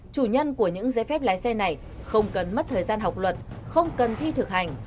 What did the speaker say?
chủ nhân của những giấy phép lái xe này không cần mất thời gian học luật không cần thi thực hành